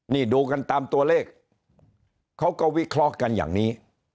นี่ดูกันตามตัวเลขเขาก็วิเคราะห์กันอย่างนี้